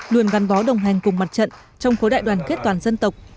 luôn gắn bó đồng hành cùng mặt trận trong khối đại đoàn kết toàn dân tộc